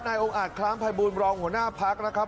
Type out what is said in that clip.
องค์อาจคล้ามภัยบูลรองหัวหน้าพักนะครับ